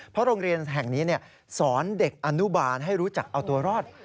เพราะโรงเรียนแห่งนี้สอนเด็กอนุบาลให้รู้จักเอาตัวรอด